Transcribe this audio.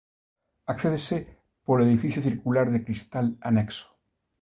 Accédese polo edificio circular de cristal anexo.